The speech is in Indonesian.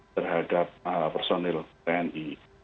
terhadap personil tni